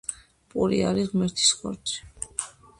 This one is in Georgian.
პური არის ღმერთის ხორცი